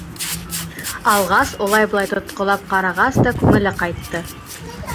Алғас, улай-былай тотҡолап ҡарағас та, күңеле ҡайтты.